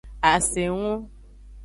Asengu.